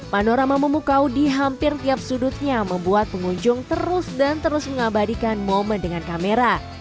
panorama memukau di hampir tiap sudutnya membuat pengunjung terus dan terus mengabadikan momen dengan kamera